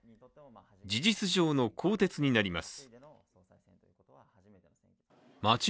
事実上の更迭になります。